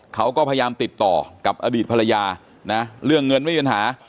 เขาก็พยายามติดต่อกับอดีตภรรยานะเรื่องเงินไม่มีปัญหา